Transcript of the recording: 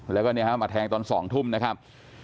แล้วก็เนี่ยมาแทงตอนสองทุ่มนะครับ